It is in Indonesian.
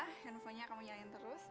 handphonenya kamu jalin terus